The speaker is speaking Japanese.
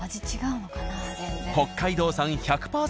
北海道産１００％